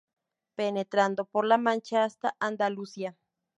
Penetrando por la Mancha hasta Andalucía.